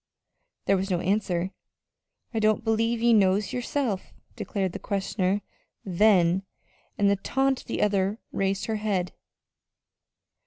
There was no answer. "I don't believe ye knows yerself," declared the questioner then; and at the taunt the other raised her head.